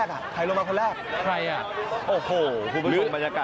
ใครลงมาคนแรก